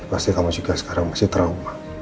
pasti kamu juga sekarang masih trauma